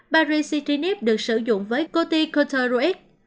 paracetini được sử dụng với cotycoteroid